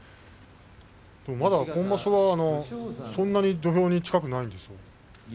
今場所はそんなに土俵に近くないんですけどね